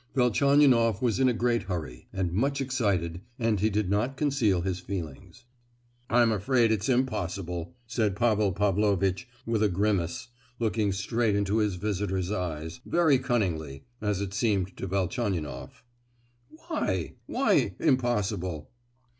Velchaninoff was in a great hurry, and much excited, and he did not conceal his feelings. "I'm afraid it's impossible!" said Pavel Pavlovitch with a grimace, looking straight into his visitor's eyes, very cunningly, as it seemed to Velchaninoff. "Why! why, impossible?"